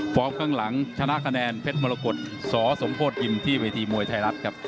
ฟอร์มข้างหลังชนะแพ้แพ้ตมรกฏสสงโภตยิ่มที่เวทีมวยไทยรัฐครับ